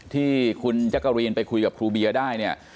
ที่คุณแจ๊กกะรีนไปคุยกับครูเบียได้เนี่ย